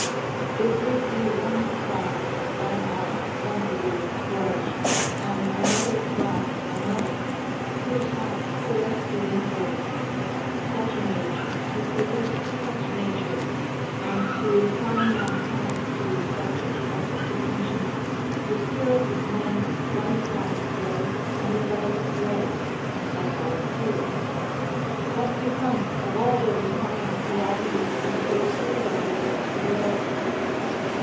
If we see one while one art and one belief flourish, and another while another, through some celestial influence; such an age to produce such natures, and to incline mankind to such and such a propension, the spirits of men one while gay and another gray, like our fields, what becomes of all those fine prerogatives we so soothe ourselves withal?